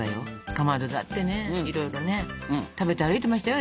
かまどだってねいろいろね食べて歩いてましたよ